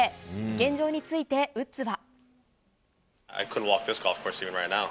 現状について、ウッズは。